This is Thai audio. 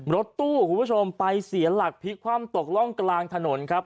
รถตู้คุณผู้ชมไปเสียหลักพลิกคว่ำตกร่องกลางถนนครับ